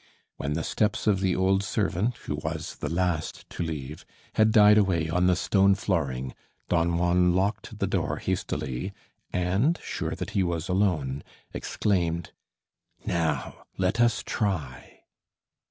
When the steps of the old servant, who was the last to leave, had died away on the stone flooring, Don Juan locked the door hastily, and, sure that he was alone, exclaimed: "Now, let us try!"